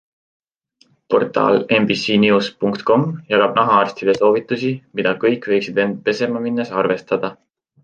Portaal nbcnews.com jagab nahaarstide soovitusi, mida kõik võiksid end pesema minnes arvestada.